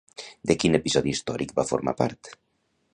De quin episodi històric va formar part?